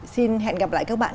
xin hẹn gặp lại các bạn